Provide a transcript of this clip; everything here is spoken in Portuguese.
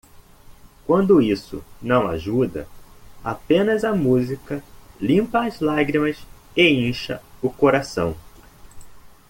Quando isso não ajuda, apenas a música limpa as lágrimas e incha o coração.